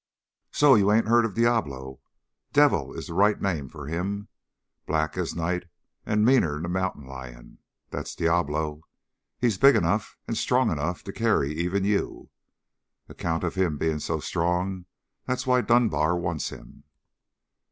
"So you ain't heard of Diablo? Devil is the right name for him. Black as night and meaner'n a mountain lion. That's Diablo. He's big enough and strong enough to carry even you. Account of him being so strong, that's why Dunbar wants him."